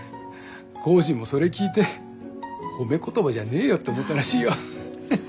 コージーもそれ聞いて褒め言葉じゃねえよって思ったらしいよ。